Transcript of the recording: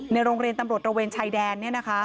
โรงเรียนตำรวจระเวนชายแดน